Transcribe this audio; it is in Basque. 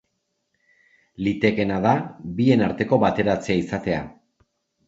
Litekeena da bien arteko bateratzea izatea.